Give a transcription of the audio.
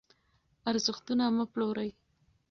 ارزښتونه مه پلورئ.